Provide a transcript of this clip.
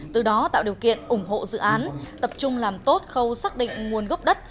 từ đó tạo điều kiện ủng hộ dự án tập trung làm tốt khâu xác định nguồn gốc đất